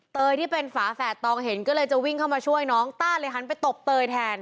ที่เป็นฝาแฝดตองเห็นก็เลยจะวิ่งเข้ามาช่วยน้องต้าเลยหันไปตบเตยแทน